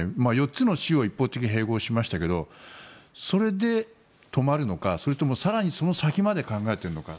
４つの州を一方的に併合しましたがそれで止まるのかそれとも更にその先まで考えているのか。